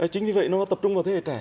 chính vì vậy nó tập trung vào thế hệ trẻ